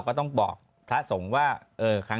กันบ่อยกัน